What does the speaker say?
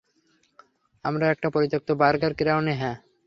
আমরা একটা পরিত্যাক্ত বার্গার ক্রাউনে হ্যাঁ।